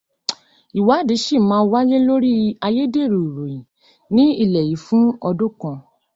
Ìwádìí ṣì máa wà lórí ayédèrú ìròyìn ní ilẹ̀ yí fún ọdún kan.